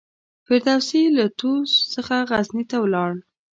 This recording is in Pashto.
فردوسي له طوس څخه غزني ته ولاړ.